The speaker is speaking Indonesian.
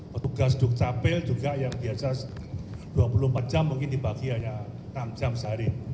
petugas dukcapil juga yang biasa dua puluh empat jam mungkin dibagi hanya enam jam sehari